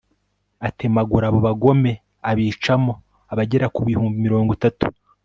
atemagura abo bagome abicamo abagera ku bihumbi mirongo itatu